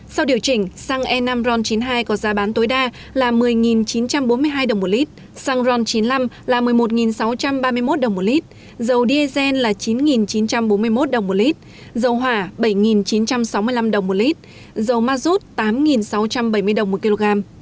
sau điều chỉnh xăng e năm ron chín mươi hai có giá bán tối đa là một mươi chín trăm bốn mươi hai đồng một lít xăng ron chín mươi năm là một mươi một sáu trăm ba mươi một đồng một lít dầu diesel là chín chín trăm bốn mươi một đồng một lít dầu hỏa bảy chín trăm sáu mươi năm đồng một lít dầu ma rút tám sáu trăm bảy mươi đồng một kg